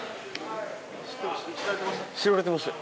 知られてました。